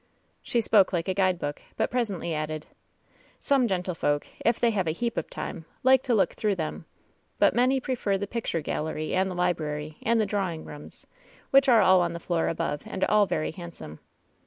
She spoke like a guide book, but presently added : "Some gentlefolks, if they have a heap of time, like to look through them, but many prefer the picture gal lery and the library, and the drawing rooms, which are all on the floor above and all very handsome."